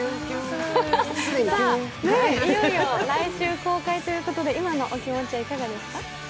いよいよ来週公開するということで、今のお気持ちいかがですか？